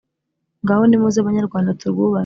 ngaho nimuze banyarwanda turwubake